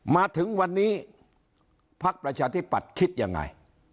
มาถึงวันนี้พักประชาธิปัตย์คิดยังไง